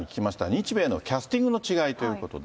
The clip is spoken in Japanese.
日米のキャスティングの違いということで。